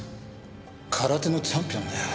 空手のチャンピオンだよ。